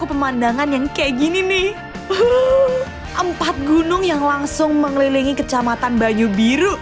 empat gunung yang langsung mengelilingi kecamatan banyu biru